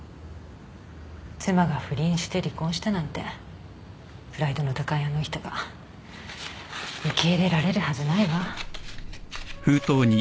妻が不倫して離婚したなんてプライドの高いあの人が受け入れられるはずないわ。